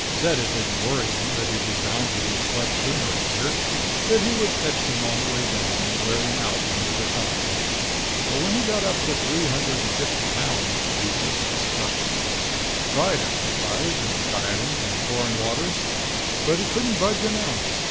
Said it didn't worry him; that he was bound to lose flesh sooner or later. That he would catch them on the way down, and wear them out one at a time. But when he got up to three hundred and fifty pounds he just stuck. Tried exercise and dieting and foreign waters, but he couldn't budge an ounce.